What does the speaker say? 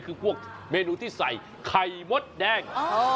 คือพวกเมนูที่ใส่ไข่มดแดง